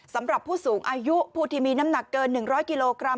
สำหรับผู้สูงอายุผู้ที่มีน้ำหนักเกิน๑๐๐กิโลกรัม